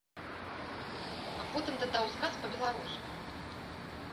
А потым дадаў сказ па-беларуску.